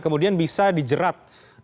kemudian bisa dijerat